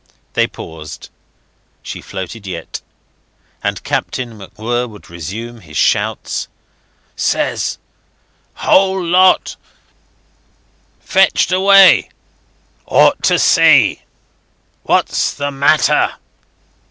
They paused. She floated yet. And Captain MacWhirr would resume, his shouts. ".... Says ... whole lot ... fetched away. ... Ought to see ... what's the matter."